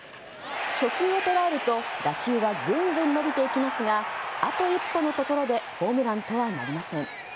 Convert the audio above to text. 初球を捉えると打球はぐんぐん伸びていきますがあと一歩のところでホームランとはなりません。